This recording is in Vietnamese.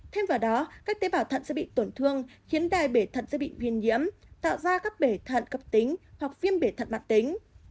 thêm vào đó các tế bào thận sẽ bị tổn thương khiến đai bể thận sẽ bị viên nhiễm tạo ra các bể thận cấp tính hoặc viêm bể thận mạng tính